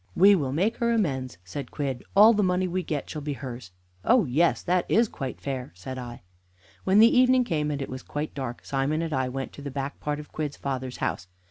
"We will make her amends," said Quidd, "all the money we get shall be hers." "Oh yes; that is quite fair," said I. When the evening came and it was quite dark, Simon and I went to the back part of Quidd's father's house.